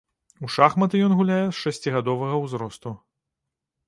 У шахматы ён гуляе з шасцігадовага ўзросту.